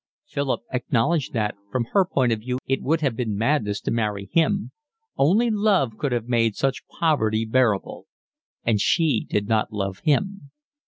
Philip acknowledged that from her point of view it would have been madness to marry him: only love could have made such poverty bearable, and she did not love him.